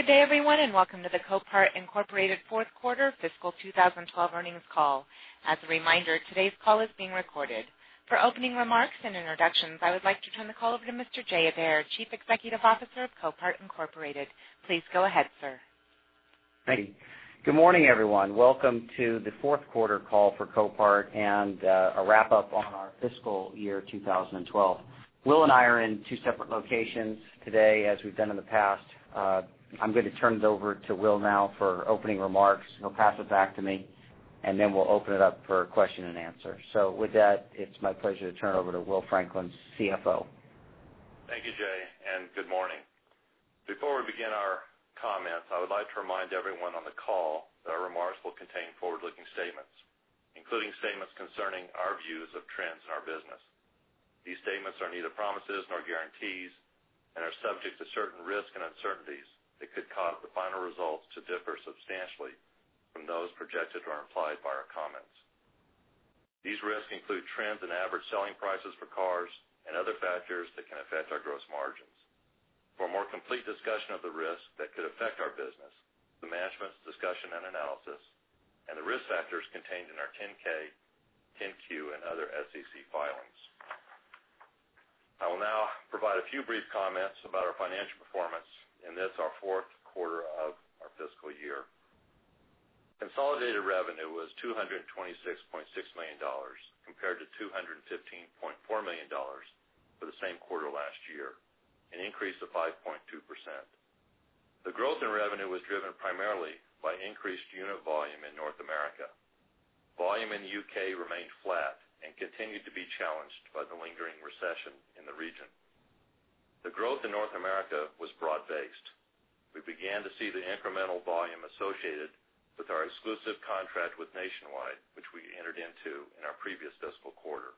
Good day, everyone, welcome to the Copart, Inc. fourth quarter fiscal 2012 earnings call. As a reminder, today's call is being recorded. For opening remarks and introductions, I would like to turn the call over to Mr. Jay Adair, Chief Executive Officer of Copart, Inc. Please go ahead, sir. Thank you. Good morning, everyone. Welcome to the fourth quarter call for Copart and a wrap up on our fiscal year 2012. Will and I are in two separate locations today as we've done in the past. I'm going to turn it over to Will now for opening remarks, and he'll pass it back to me, and then we'll open it up for question and answer. With that, it's my pleasure to turn it over to Will Franklin, CFO. Thank you, Jay, and good morning. Before we begin our comments, I would like to remind everyone on the call that our remarks will contain forward-looking statements, including statements concerning our views of trends in our business. These statements are neither promises nor guarantees and are subject to certain risks and uncertainties that could cause the final results to differ substantially from those projected or implied by our comments. These risks include trends in average selling prices for cars and other factors that can affect our gross margins. For a more complete discussion of the risks that could affect our business, the management's discussion and analysis and the risk factors contained in our 10-K, 10-Q and other SEC filings. I will now provide a few brief comments about our financial performance in this, our fourth quarter of our fiscal year. Consolidated revenue was $226.6 million compared to $215.4 million for the same quarter last year, an increase of 5.2%. The growth in revenue was driven primarily by increased unit volume in North America. Volume in the U.K. remained flat and continued to be challenged by the lingering recession in the region. The growth in North America was broad-based. We began to see the incremental volume associated with our exclusive contract with Nationwide, which we entered into in our previous fiscal quarter.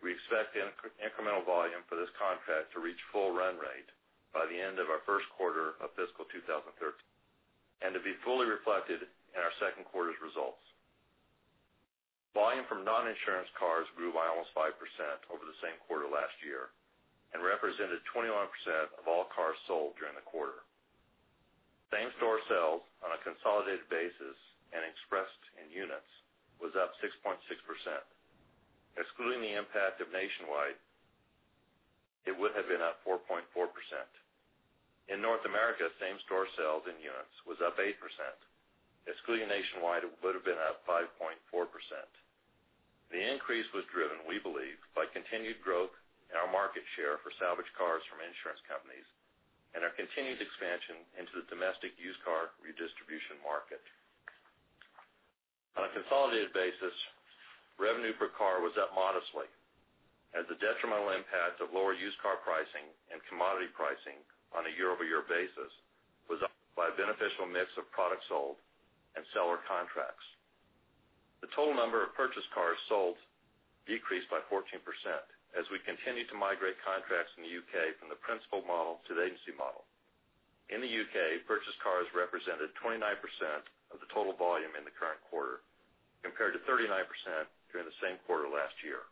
We expect incremental volume for this contract to reach full run rate by the end of our first quarter of fiscal 2013 and to be fully reflected in our second quarter's results. Volume from non-insurance cars grew by almost 5% over the same quarter last year and represented 21% of all cars sold during the quarter. Same-store sales on a consolidated basis and expressed in units was up 6.6%. Excluding the impact of Nationwide, it would have been up 4.4%. In North America, same-store sales in units was up 8%. Excluding Nationwide, it would have been up 5.4%. The increase was driven, we believe, by continued growth in our market share for salvaged cars from insurance companies and our continued expansion into the domestic used car redistribution market. On a consolidated basis, revenue per car was up modestly as the detrimental impact of lower used car pricing and commodity pricing on a year-over-year basis was offset by a beneficial mix of products sold and seller contracts. The total number of purchased cars sold decreased by 14% as we continued to migrate contracts in the U.K. from the principal model to the agency model. In the U.K., purchased cars represented 29% of the total volume in the current quarter, compared to 39% during the same quarter last year.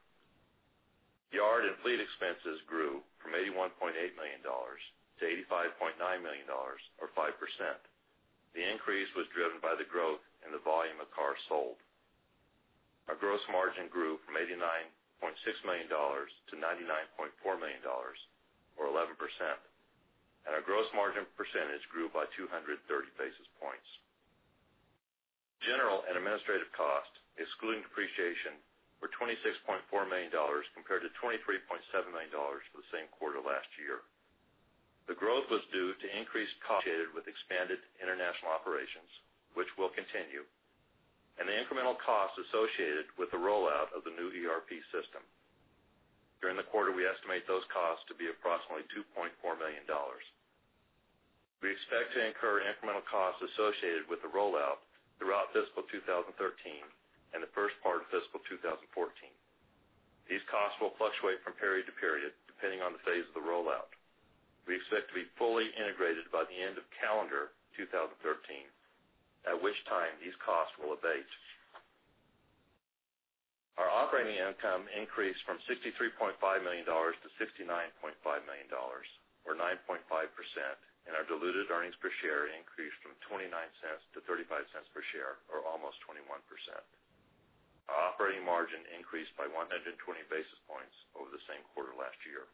Yard and fleet expenses grew from $81.8 million-$85.9 million or 5%. The increase was driven by the growth in the volume of cars sold. Our gross margin grew from $89.6 million-$99.4 million, or 11%, and our gross margin percentage grew by 230 basis points. General and administrative costs, excluding depreciation, were $26.4 million compared to $23.7 million for the same quarter last year. The growth was due to increased costs associated with expanded international operations, which will continue, and the incremental costs associated with the rollout of the new ERP system. During the quarter, we estimate those costs to be approximately $2.4 million. We expect to incur incremental costs associated with the rollout throughout fiscal 2013 and the first part of fiscal 2014. These costs will fluctuate from period-to-period, depending on the phase of the rollout. We expect to be fully integrated by the end of calendar 2013, at which time these costs will abate. Our operating income increased from $63.5 million-$69.5 million or 9.5%, and our diluted earnings per share increased from $0.29-$0.35 per share, or almost 21%. Our operating margin increased by 120 basis points over the same quarter last year.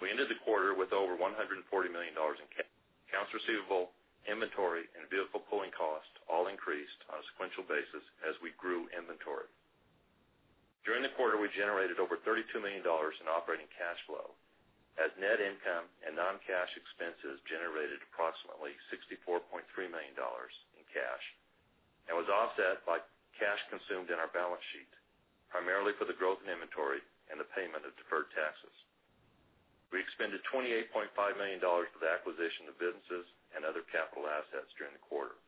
We ended the quarter with over $140 million in cash. Accounts receivable, inventory, and vehicle pooling costs all increased on a sequential basis as we grew inventory. During the quarter, we generated over $32 million in operating cash flow as net income and non-cash expenses generated approximately $64.3 million in cash and was offset by cash consumed in our balance sheet, primarily for the growth in inventory and the payment of deferred taxes. We expended $28.5 million for the acquisition of businesses and other capital assets during the quarter.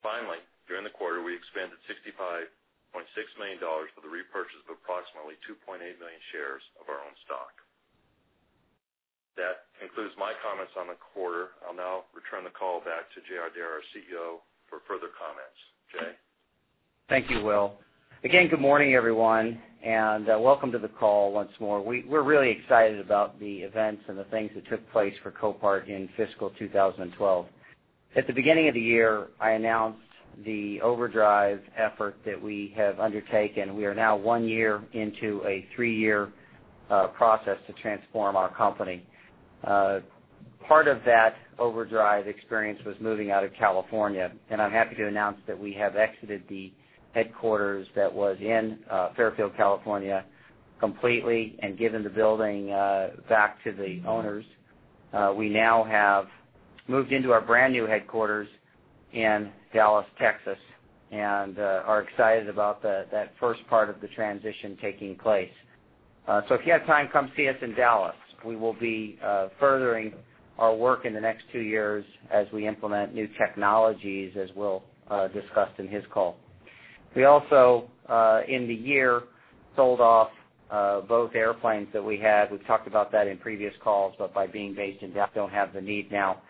Finally, during the quarter, we expended $65.6 million for the repurchase of approximately 2.8 million shares of our own stock. That concludes my comments on the quarter. I'll now return the call back to Jay Adair, our CEO, for further comments. Jay? Thank you, Will. Again, good morning, everyone, and welcome to the call once more. We're really excited about the events and the things that took place for Copart in fiscal 2012. At the beginning of the year, I announced the Overdrive effort that we have undertaken. We are now one year into a three-year process to transform our company. Part of that Overdrive experience was moving out of California, and I'm happy to announce that we have exited the headquarters that was in Fairfield, California, completely and given the building back to the owners. We now have moved into our brand-new headquarters in Dallas, Texas, and are excited about that first part of the transition taking place. If you have time, come see us in Dallas. We will be furthering our work in the next two years as we implement new technologies, as Will discussed in his call. We also, in the year, sold off both airplanes that we had. We've talked about that in previous calls, but by being based in don't have the need now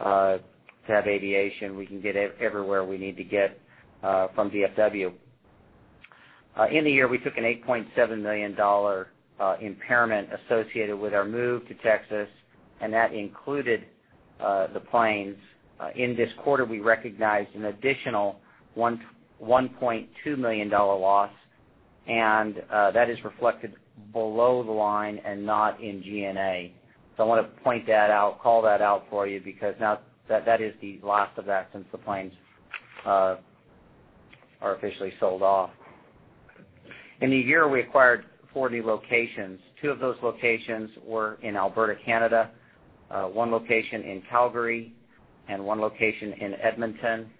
to have aviation. We can get everywhere we need to get from DFW. In the year, we took an $8.7 million impairment associated with our move to Texas, and that included the planes. In this quarter, we recognized an additional $1.2 million loss, and that is reflected below the line and not in G&A. I want to point that out, call that out for you because now that is the last of that since the planes are officially sold off. In the year, we acquired four new locations. Two of those locations were in Alberta, Canada, one location in Calgary and one location in Edmonton.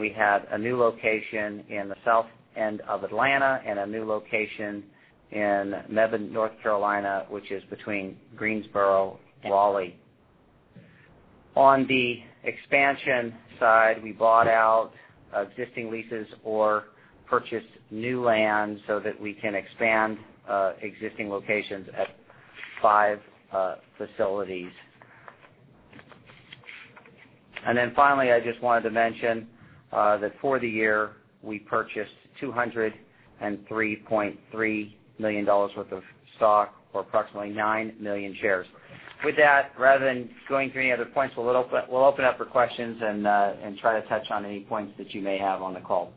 We have a new location in the south end of Atlanta and a new location in Mebane, North Carolina, which is between Greensboro and Raleigh. On the expansion side, we bought out existing leases or purchased new land so that we can expand existing locations at five facilities. Finally, I just wanted to mention that for the year, we purchased $203.3 million worth of stock or approximately 9 million shares. With that, rather than going through any other points, we'll open up for questions and try to touch on any points that you may have on the call.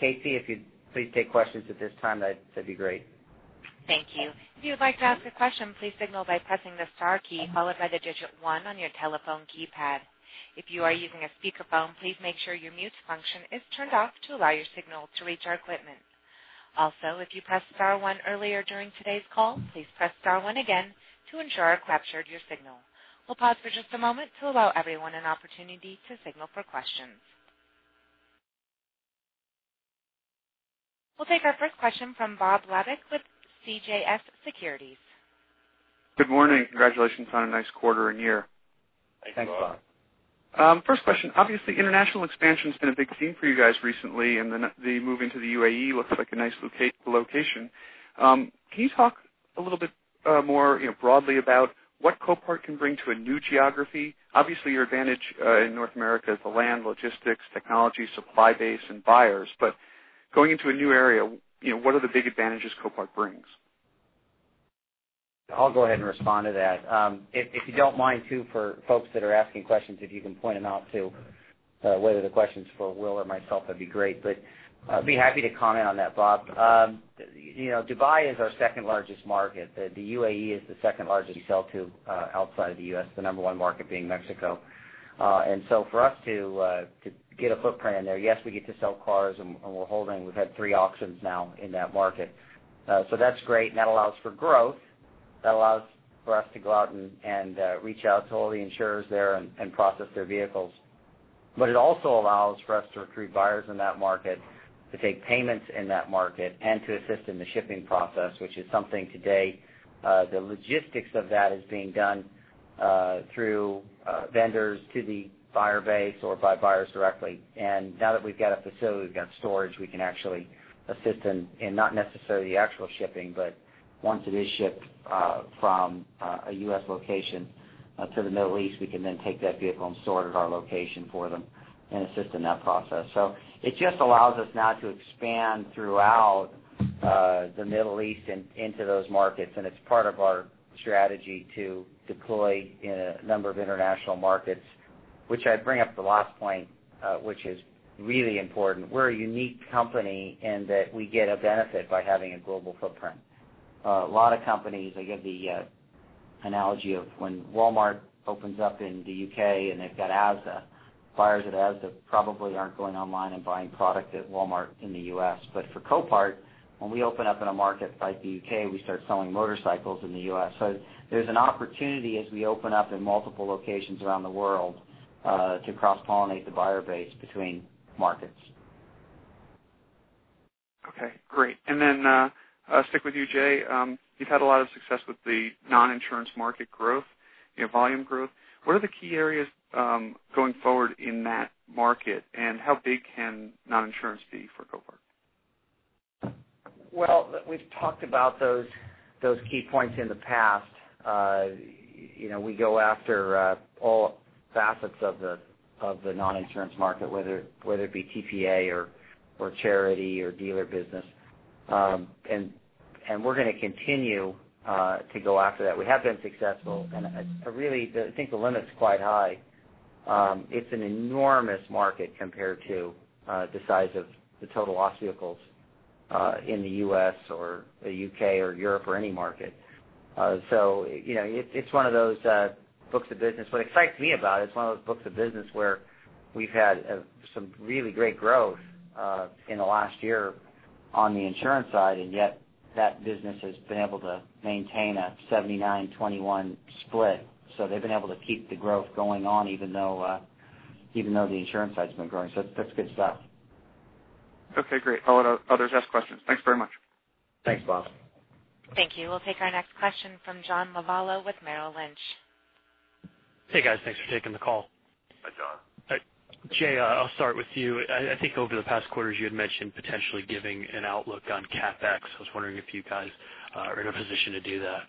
Casey, if you'd please take questions at this time, that'd be great. Thank you. If you would like to ask a question, please signal by pressing the star key followed by digit one on your telephone keypad. If you are using a speakerphone, please make sure your mute function is turned off to allow your signal to reach our equipment. Also, if you pressed star one earlier during today's call, please press star one again to ensure I've captured your signal. We'll pause for just a moment to allow everyone an opportunity to signal for questions. We'll take our first question from Bob Labick with CJS Securities. Good morning. Congratulations on a nice quarter and year. Thanks, Bob. First question. Obviously, international expansion's been a big theme for you guys recently, and the move into the UAE looks like a nice location. Can you talk a little bit, more, you know, broadly about what Copart can bring to a new geography? Obviously, your advantage in North America is the land, logistics, technology, supply base and buyers. Going into a new area, you know, what are the big advantages Copart brings? I'll go ahead and respond to that. If you don't mind, too, for folks that are asking questions, if you can point them out to, whether the question's for Will or myself, that'd be great. I'd be happy to comment on that, Bob. You know, Dubai is our second-largest market. The UAE is the second-largest we sell to, outside of the U.S., the number one market being Mexico. For us to get a footprint in there, yes, we get to sell cars, and we're holding. We've had three auctions now in that market. That's great, and that allows for growth. That allows for us to go out and reach out to all the insurers there and process their vehicles. It also allows for us to recruit buyers in that market, to take payments in that market, and to assist in the shipping process, which is something today, the logistics of that is being done through vendors to the buyer base or by buyers directly. Now that we've got a facility, we've got storage, we can actually assist in not necessarily the actual shipping, but once it is shipped from a U.S. location to the Middle East, we can then take that vehicle and store it at our location for them and assist in that process. It just allows us now to expand throughout the Middle East and into those markets, and it's part of our strategy to deploy in a number of international markets, which I bring up the last point, which is really important. We're a unique company in that we get a benefit by having a global footprint. A lot of companies, I give the analogy of when Walmart opens up in the U.K., and they've got Asda. Buyers at Asda probably aren't going online and buying product at Walmart in the U.S. For Copart, when we open up in a market like the U.K., we start selling motorcycles in the U.S. There's an opportunity as we open up in multiple locations around the world, to cross-pollinate the buyer base between markets. Okay, great. Stick with you, Jay. You've had a lot of success with the non-insurance market growth, you know, volume growth. What are the key areas going forward in that market, and how big can non-insurance be for Copart? Well, we've talked about those key points in the past. You know, we go after all facets of the non-insurance market, whether it be TPA or charity or dealer business. We're gonna continue to go after that. We have been successful, I think the limit's quite high. It's an enormous market compared to the size of the total loss vehicles in the U.S. or the U.K. or Europe or any market. You know, it's one of those books of business. What excites me about it's one of those books of business where we've had some really great growth in the last year on the insurance side, yet that business has been able to maintain a 79/21 split. They've been able to keep the growth going on even though, even though the insurance side's been growing. That's good stuff. Okay, great. I'll let others ask questions. Thanks very much. Thanks, Bob. Thank you. We'll take our next question from John Lovallo with Merrill Lynch. Hey, guys. Thanks for taking the call. Hi, John. Jay, I'll start with you. I think over the past quarters you had mentioned potentially giving an outlook on CapEx. I was wondering if you guys are in a position to do that.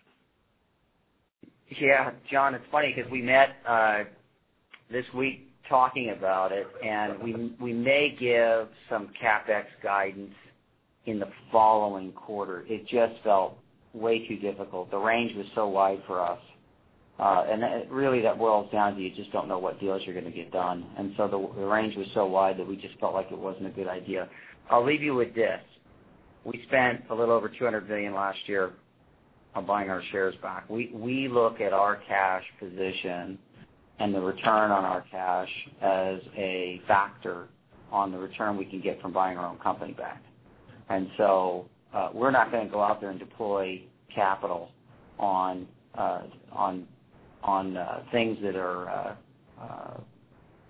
Yeah. John, it's funny because we met this week talking about it, we may give some CapEx guidance in the following quarter. It just felt way too difficult. The range was so wide for us. Really that boils down to you just don't know what deals you're gonna get done. The range was so wide that we just felt like it wasn't a good idea. I'll leave you with this. We spent a little over $200 million last year on buying our shares back. We look at our cash position and the return on our cash as a factor on the return we can get from buying our own company back. We're not gonna go out there and deploy capital on things that are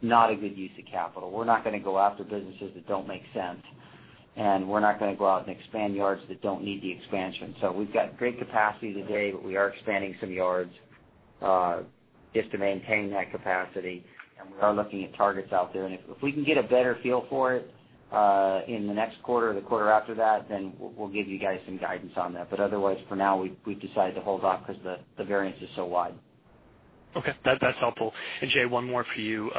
not a good use of capital. We're not gonna go after businesses that don't make sense, and we're not gonna go out and expand yards that don't need the expansion. We've got great capacity today, but we are expanding some yards just to maintain that capacity. We are looking at targets out there. If we can get a better feel for it in the next quarter or the quarter after that, then we'll give you guys some guidance on that. Otherwise, for now, we've decided to hold off because the variance is so wide. Okay. That's helpful. Jay, one more for you.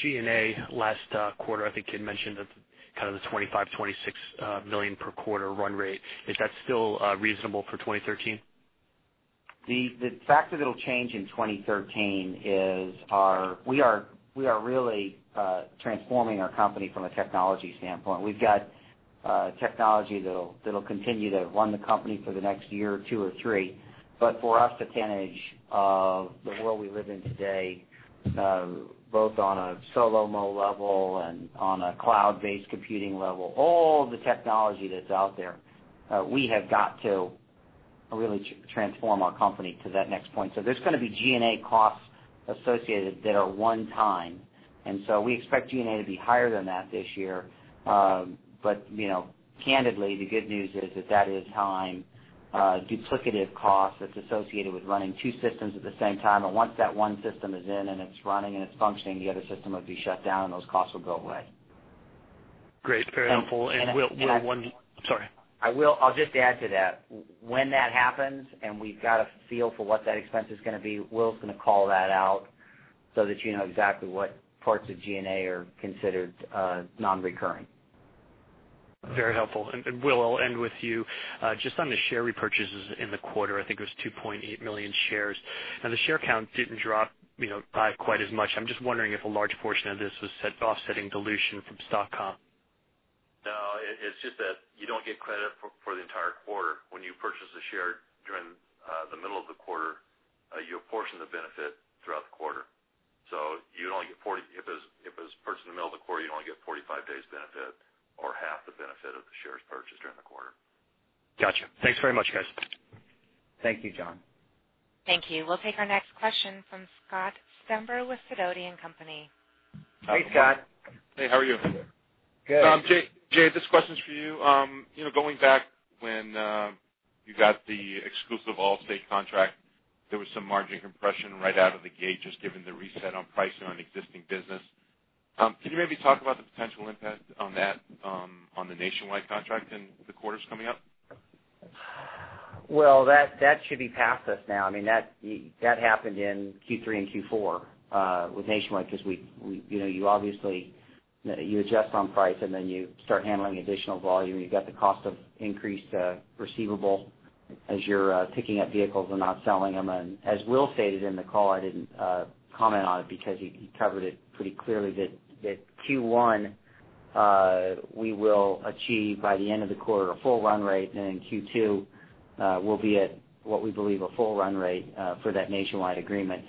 G&A last quarter, I think you'd mentioned kind of the $25 million, $26 million per quarter run rate. Is that still reasonable for 2013? The factor that'll change in 2013 is we are really transforming our company from a technology standpoint. We've got technology that'll continue to run the company for the next year or two or three. For us to vantage the world we live in today, both on a SoLoMo level and on a cloud-based computing level, all the technology that's out there, we have got to really transform our company to that next point. There's gonna be G&A costs associated that are one-time. We expect G&A to be higher than that this year. You know, candidly, the good news is that that is timing, duplicative costs that's associated with running two systems at the same time. Once that one system is in and it's running and it's functioning, the other system will be shut down, and those costs will go away. Great. Very helpful. And, and I- Will, sorry. I'll just add to that. When that happens and we've got a feel for what that expense is gonna be, Will's gonna call that out so that you know exactly what parts of G&A are considered non-recurring. Very helpful. Will, I'll end with you. Just on the share repurchases in the quarter, I think it was 2.8 million shares. Now, the share count didn't drop, you know, by quite as much. I'm just wondering if a large portion of this was offsetting dilution from stock comp? No, it's just that you don't get credit for the entire quarter. When you purchase a share during the middle of the quarter, you apportion the benefit throughout the quarter. If it's purchased in the middle of the quarter, you'd only get 45 days benefit or half the benefit of the shares purchased during the quarter. Gotcha. Thanks very much, guys. Thank you, John. Thank you. We'll take our next question from Scott Stember with Sidoti & Company. Hi, Scott. Hey, how are you? Good. Jay, this question's for you. You know, going back when you got the exclusive Allstate contract, there was some margin compression right out of the gate, just given the reset on pricing on existing business. Can you maybe talk about the potential impact on that, on the Nationwide contract in the quarters coming up? Well, that should be past us now. I mean, that happened in Q3 and Q4 with Nationwide because we, you know, you obviously, you adjust on price, and then you start handling additional volume. You've got the cost of increased receivable as you're picking up vehicles and not selling them. As Will stated in the call, I didn't comment on it because he covered it pretty clearly that Q1 we will achieve by the end of the quarter a full run rate. Q2 we'll be at, what we believe, a full run rate for that Nationwide agreement.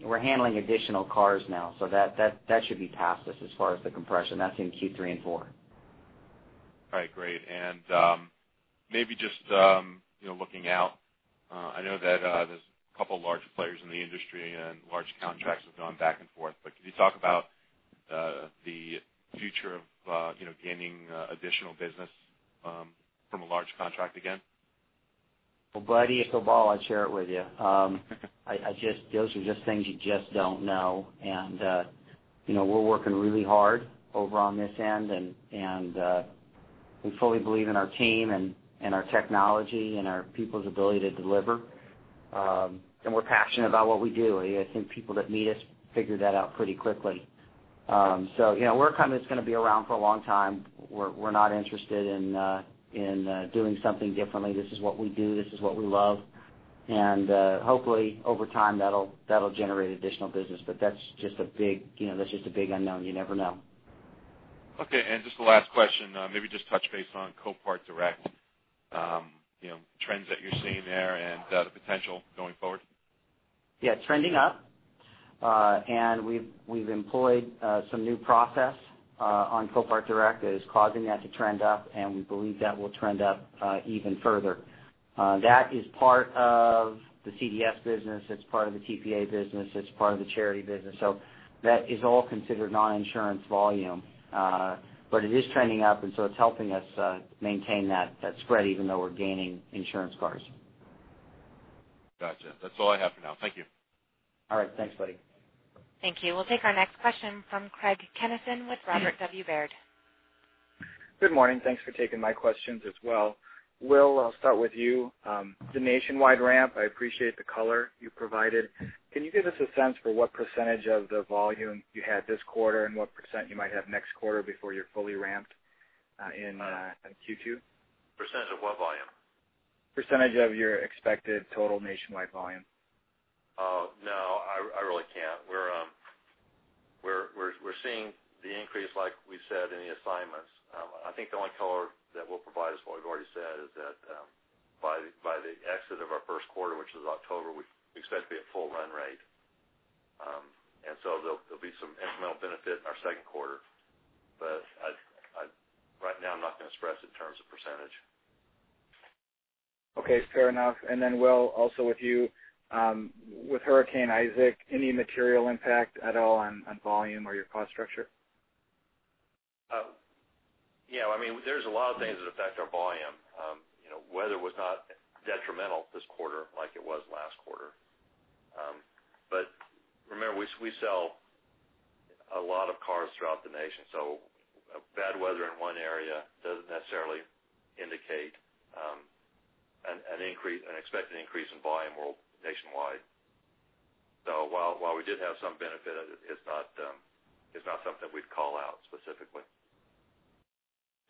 We're handling additional cars now, so that should be past us as far as the compression. That's in Q3 and Q4. All right, great. Maybe just, you know, looking out, I know that, there's a couple larger players in the industry and large contracts have gone back and forth, but can you talk about, the future of, you know, gaining, additional business, from a large contract again? Well, Buddy, if a ball, I'd share it with you. I just those are just things you just don't know. You know, we're working really hard over on this end, and we fully believe in our team and our technology and our people's ability to deliver. We're passionate about what we do. I think people that meet us figure that out pretty quickly. You know, Copart is gonna be around for a long time. We're not interested in doing something differently. This is what we do. This is what we love. Hopefully, over time, that'll generate additional business. That's just a big, you know, that's just a big unknown. You never know. Okay. Just the last question, maybe just touch base on Copart Direct, you know, trends that you're seeing there and the potential going forward? Yeah, trending up. We've, we've employed some new process on Copart Direct that is causing that to trend up, and we believe that will trend up even further. That is part of the CDS business. It's part of the TPA business. It's part of the charity business. That is all considered non-insurance volume. It is trending up, it's helping us maintain that spread even though we're gaining insurance cars. Gotcha. That's all I have for now. Thank you. All right. Thanks, Buddy. Thank you. We'll take our next question from Craig Kennison with Robert W. Baird. Good morning. Thanks for taking my questions as well. Will, I'll start with you. The Nationwide ramp, I appreciate the color you provided. Can you give us a sense for what percentage of the volume you had this quarter and what percent you might have next quarter before you're fully ramped in Q2? Percentage of what volume? Percentage of your expected total Nationwide volume. Oh, no, I really can't. We're seeing the increase like we said in the assignments. I think the only color that we'll provide is what we've already said, is that by the exit of our first quarter, which is October, we expect to be at full run rate. There'll be some incremental benefit in our second quarter. Right now I'm not going to express in terms of percentage. Okay. Fair enough. Then, Will, also with you, with Hurricane Isaac, any material impact at all on volume or your cost structure? Yeah, I mean, there's a lot of things that affect our volume. You know, weather was not detrimental this quarter like it was last quarter. Remember, we sell a lot of cars throughout the nation, bad weather in one area doesn't necessarily indicate an expected increase in volume or nationwide. While we did have some benefit, it's not, it's not something we'd call out specifically.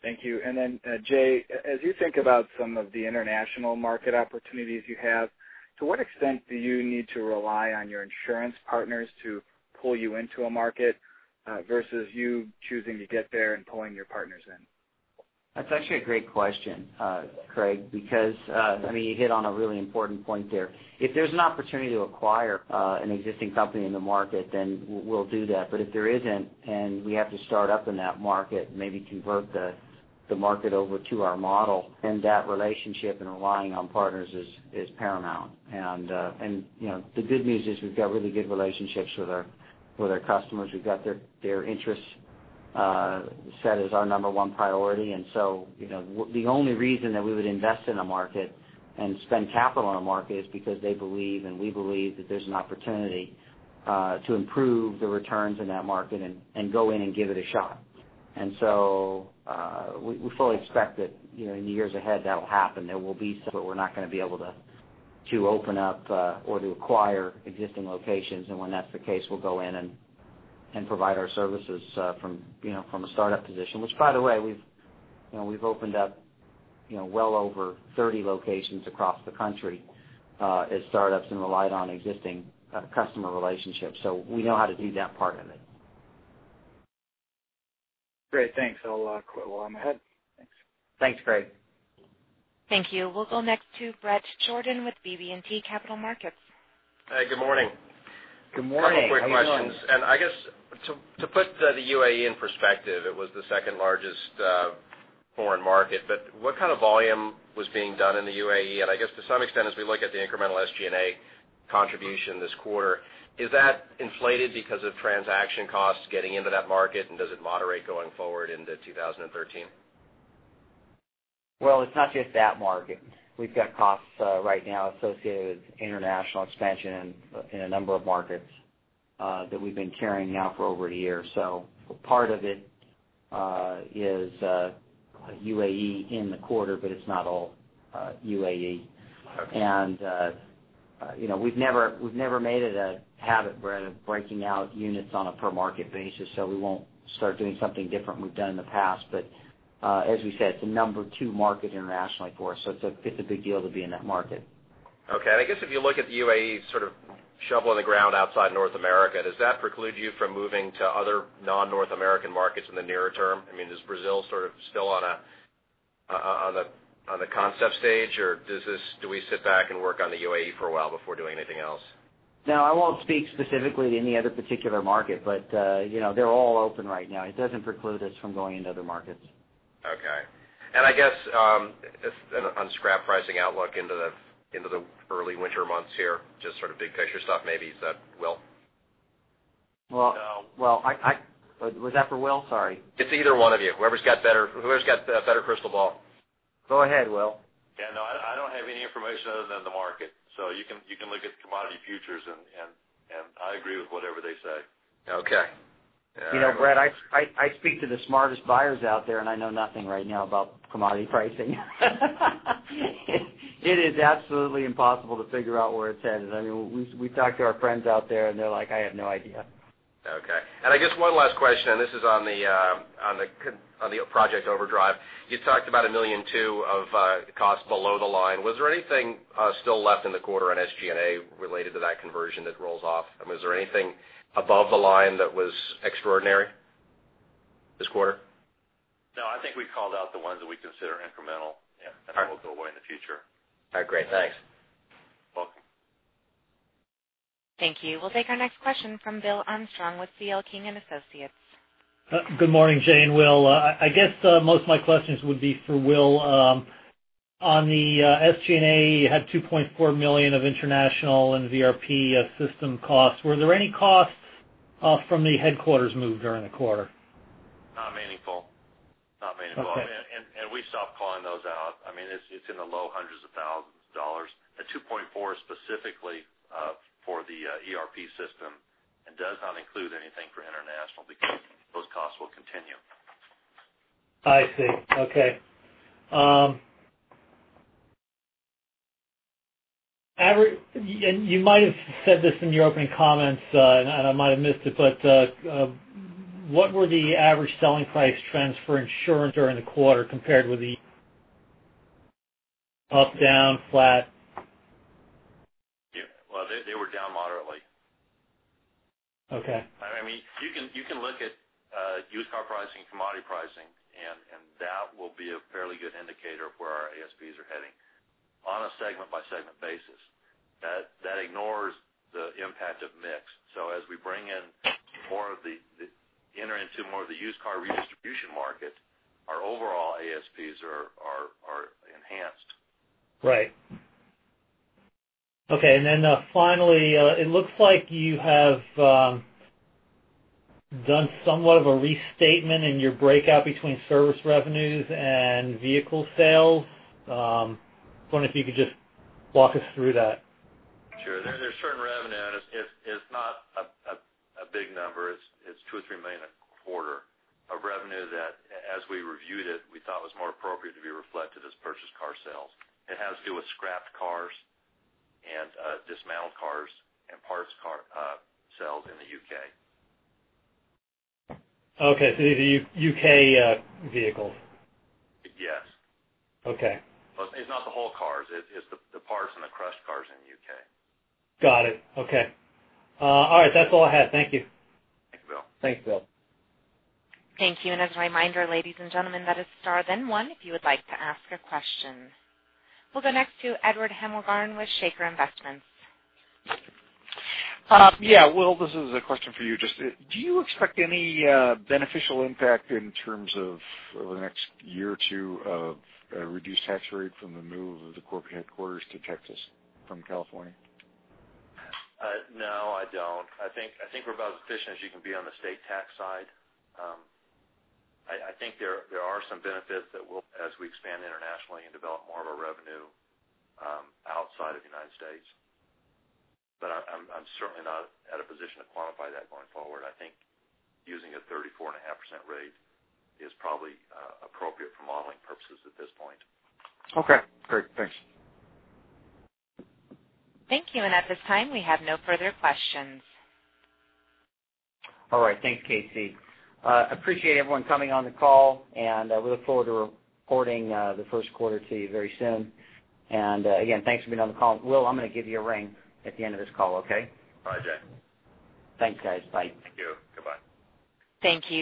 Thank you. Jay, as you think about some of the international market opportunities you have, to what extent do you need to rely on your insurance partners to pull you into a market, versus you choosing to get there and pulling your partners in? That's actually a great question, Craig, because, I mean, you hit on a really important point there. If there's an opportunity to acquire an existing company in the market, we'll do that. If there isn't and we have to start up in that market, maybe convert the market over to our model, that relationship and relying on partners is paramount. You know, the good news is we've got really good relationships with our customers. We've got their interests set as our number one priority. You know, the only reason that we would invest in a market and spend capital on a market is because they believe, and we believe that there's an opportunity to improve the returns in that market and go in and give it a shot. We fully expect that, you know, in the years ahead, that'll happen. There will be some where we're not going to be able to open up or to acquire existing locations. When that's the case, we'll go in and provide our services from, you know, from a startup position, which, by the way, we've, you know, we've opened up, you know, well over 30 locations across the country as startups and relied on existing customer relationships. We know how to do that part of it. Great. Thanks. I'll quit while I'm ahead. Thanks. Thanks, Craig. Thank you. We'll go next to Bret Jordan with BB&T Capital Markets. Hey, good morning. Good morning. How are you doing? Couple of quick questions. I guess to put the UAE in perspective, it was the second-largest foreign market. What kind of volume was being done in the UAE? I guess to some extent, as we look at the incremental SG&A contribution this quarter, is that inflated because of transaction costs getting into that market? Does it moderate going forward into 2013? It's not just that market. We've got costs right now associated with international expansion in a number of markets that we've been carrying out for over a year. Part of it is UAE in the quarter, but it's not all UAE. Okay. You know, we've never made it a habit of breaking out units on a per market basis, so we won't start doing something different we've done in the past. As we said, it's the number two market internationally for us, so it's a big deal to be in that market. Okay. I guess if you look at the UAE sort of shovel in the ground outside North America, does that preclude you from moving to other non-North American markets in the nearer term? I mean, is Brazil sort of still on a concept stage, or do we sit back and work on the UAE for a while before doing anything else? No, I won't speak specifically to any other particular market, but, you know, they're all open right now. It doesn't preclude us from going into other markets. Okay. I guess, and on scrap pricing outlook into the early winter months here, just sort of big picture stuff maybe that, Will. Was that for Will? Sorry. It's either one of you. Whoever's got better, whoever's got the better crystal ball. Go ahead, Will. Yeah, no, I don't have any information other than the market. You can look at commodity futures, and I agree with whatever they say. Okay. Yeah. You know, Bret, I speak to the smartest buyers out there, and I know nothing right now about commodity pricing. It is absolutely impossible to figure out where it's headed. I mean, we talk to our friends out there, and they're like, "I have no idea. Okay. I guess one last question, this is on the Project Overdrive. You talked about $1.2 million of cost below the line. Was there anything still left in the quarter on SG&A related to that conversion that rolls off? I mean, is there anything above the line that was extraordinary this quarter? No, I think we called out the ones that we consider incremental. Yeah. All right. That will go away in the future. All right, great. Thanks. Welcome. Thank you. We'll take our next question from Bill Armstrong with C.L. King & Associates. Good morning, Jay and Will. I guess, most of my questions would be for Will. On the SG&A, you had $2.4 million of international and ERP system costs. Were there any costs from the headquarters move during the quarter? Not meaningful. Not meaningful. Okay. We stopped calling those out. I mean, it's in the low hundreds of thousands of dollars. The $2.4 is specifically for the ERP system and does not include anything for international because those costs will continue. I see. Okay. You might have said this in your opening comments, and I might have missed it, but what were the average selling price trends for insurance during the quarter compared with the Up, down, flat? Yeah. Well, they were down moderately. Okay. I mean, you can look at used car pricing, commodity pricing, and that will be a fairly good indicator of where our ASPs are heading on a segment-by-segment basis. That ignores the impact of mix. As we enter into more of the used car redistribution market, our overall ASPs are enhanced. Right. Okay, finally, it looks like you have done somewhat of a restatement in your breakout between service revenues and vehicle sales. Wondering if you could just walk us through that? Sure. There's certain revenue. It's not a big number. It's $2 million or $3 million a quarter of revenue that as we reviewed it, we thought was more appropriate to be reflected as purchased car sales. It has to do with scrapped cars and dismantled cars and parts car sales in the U.K. Okay, these are U.K. vehicles. Yes. Okay. It's not the whole cars. It's the parts and the crushed cars in the U.K. Got it. Okay. All right, that's all I had. Thank you. Thank you, Bill. Thanks, Bill. Thank you. As a reminder, ladies and gentlemen, that is star then one if you would like to ask a question. We'll go next to Edward Hemmelgarn with Shaker Investments. Yeah, Will, this is a question for you. Just, do you expect any beneficial impact in terms of, over the next year or two of a reduced tax rate from the move of the corporate headquarters to Texas from California? No, I don't. I think we're about as efficient as you can be on the state tax side. I think there are some benefits that we'll as we expand internationally and develop more of our revenue outside of the United States. I'm certainly not at a position to quantify that going forward. I think using a 34.5% rate is probably appropriate for modeling purposes at this point. Okay, great. Thanks. Thank you. At this time, we have no further questions. All right. Thanks, Casey. Appreciate everyone coming on the call. We look forward to reporting the first quarter to you very soon. Again, thanks for being on the call. Will, I'm gonna give you a ring at the end of this call, okay? Bye, Jay. Thanks, guys. Bye. Thank you. Goodbye. Thank you.